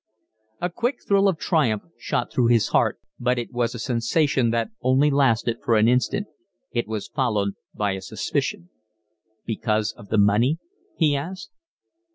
A quick thrill of triumph shot through his heart, but it was a sensation that only lasted an instant; it was followed by a suspicion. "Because of the money?" he asked.